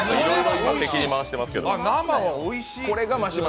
あっ、生はおいしい！